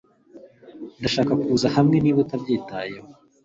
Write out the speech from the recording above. Ndashaka kuza hamwe niba utabyitayeho